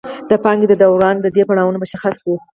د پانګې د دوران درې پړاوونه مشخص دي